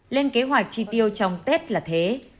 lên kế hoạch chi tiêu trong tết là thế